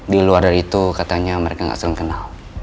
di luar dari itu katanya mereka gak selalu kenal